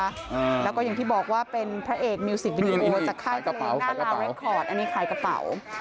อ่าแล้วก็อย่างที่บอกว่าเป็นพระเอกมิวสิคดีโอขายกระเป๋าขายกระเป๋าอันนี้ขายกระเป๋า